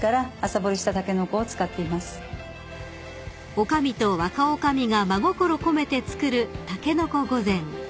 ［女将と若女将が真心込めて作るたけのこ御膳］